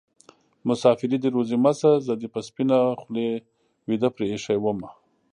مسافري دې روزي مه شه زه دې په سپينه خولې ويده پرې ايښې ومه